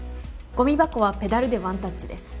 ごみ箱はペダルでワンタッチです。